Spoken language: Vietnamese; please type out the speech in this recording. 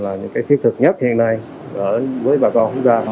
là những cái thiết thực nhất hiện nay với bà con chúng ta